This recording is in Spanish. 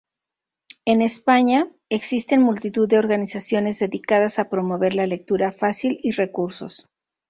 En España, existen multitud de organizaciones dedicadas a promover la lectura fácil y recursos.